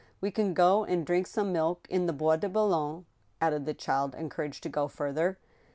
" We can go and drink some milk in the Bois de Boulogne," added the child, encouraged to go further.